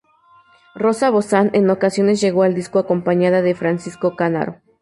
Rosa Bozán en ocasiones llegó al disco acompañada de Francisco Canaro.